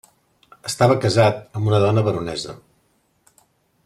Estava casat amb una dona veronesa.